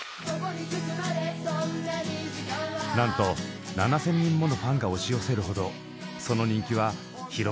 なんと７，０００人ものファンが押し寄せるほどその人気は広まっていました。